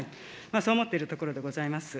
そう思っているところでございます。